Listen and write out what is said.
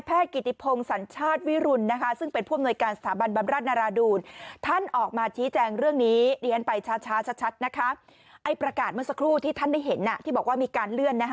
ประกาศเมื่อสักครู่ที่ท่านได้เห็นที่บอกว่ามีการเลื่อน